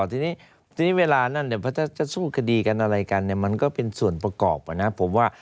ทีนี้เวลานั้นพระเจ้าจะสู้คดีกันอะไรกันมันก็เป็นส่วนประกอบนะครับ